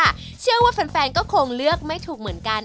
ไม่ถูกหรอกค่ะเชื่อว่าแฟนก็คงเลือกไม่ถูกเหมือนกัน